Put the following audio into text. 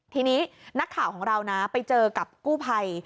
ทีนี้นักข่าวของเรานะไปเจอกับกู้ภัย